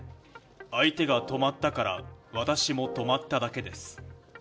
相手が止まったから私も止まっただけです。